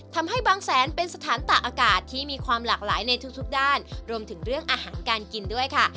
ทำให้บางแสนเป็นสถานตากอากาศที่มีความหลากหลายในทุกทุกด้านรวมถึงเรื่องอาหารการกินด้วยค่ะ